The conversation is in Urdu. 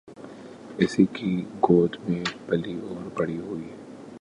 اسی کی گود میں پلی اور بڑی ہوئی۔